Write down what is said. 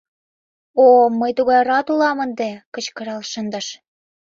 — О, мый тугай рат улам ынде! — кычкырал шындыш.